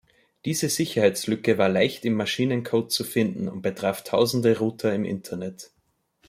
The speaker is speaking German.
Diese Sicherheitslücke war leicht im Maschinencode zu finden und betraf tausende Router im Internet.